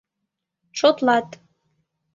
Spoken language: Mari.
Шотлат.